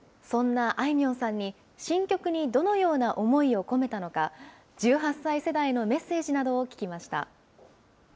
そんなあいみょんさんに、新曲にどのような思いを込めたのか、１８歳世代へのメッセージなどを聞きました。